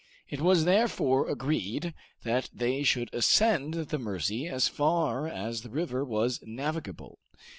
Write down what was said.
It was therefore agreed that they should ascend the Mercy as far as the river was navigable.